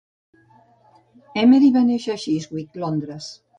Emery va néixer a Chiswick, Londres.